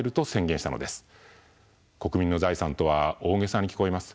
国民の財産とは大げさに聞こえます。